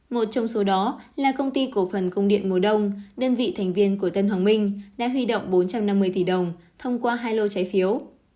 một trong số đó là công ty cổ phần công điện mùa đông đơn vị thành viên của tân hoàng minh đã huy động bốn trăm năm mươi tỷ đồng thông qua hai lô trái phiếu